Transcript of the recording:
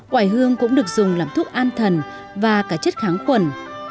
quả hương cũng được dùng làm thuốc an thần và cả chất kháng khuẩn